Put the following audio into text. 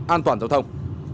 an toàn giao thông